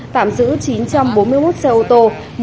tạm giữ chín trăm bốn mươi một xe ô tô